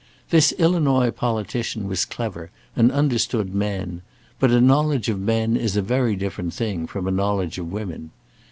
This Illinois politician was clever, and understood men; but a knowledge of men is a very different thing from a knowledge of women.